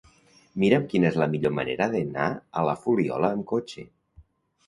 Mira'm quina és la millor manera d'anar a la Fuliola amb cotxe.